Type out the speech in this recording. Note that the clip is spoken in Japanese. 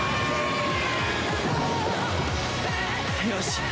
よし！